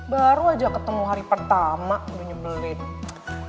baru aja ketemu hari pertama nyebelin